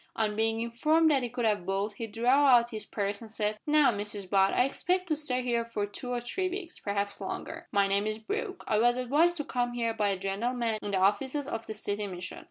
On being informed that he could have both, he drew out his purse and said "Now, Mrs Butt, I expect to stay here for two or three weeks perhaps longer. My name is Brooke. I was advised to come here by a gentleman in the offices of the City Mission.